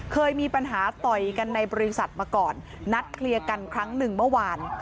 เคยมีปัญหาต่อยกันในบริษัทมาก่อนนัดเคลียร์กันครั้งหนึ่งเมื่อวาน